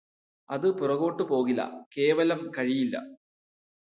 അത് പുറകോട്ട് പോകില്ല കേവലം കഴിയില്ല